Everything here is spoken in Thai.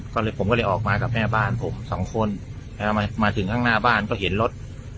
ก็เลยผมก็เลยออกมากับแม่บ้านผมสองคนแล้วมาถึงข้างหน้าบ้านก็เห็นรถ